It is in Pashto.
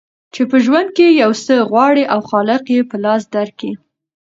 چي په ژوند کي یو څه غواړې او خالق یې په لاس درکي